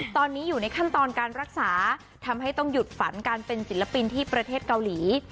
ตอนนี้อยู่ในขั้นตอนการรักษาทำให้ต้องหยุดฝันการเป็นศิลปินที่ประเทศเกาหลี